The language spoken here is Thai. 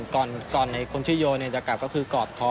ก่อนคนชื่อโยจะกลับก็คือกอดคอ